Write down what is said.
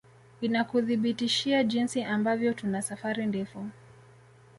Inakuthibitishia jinsi ambavyo tuna safari ndefu